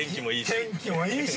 天気もいいし。